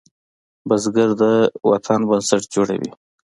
بزګر د وطن بنسټ جوړوي